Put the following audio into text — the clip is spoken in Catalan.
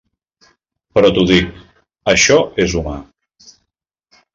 Però t'ho dic - això és humà.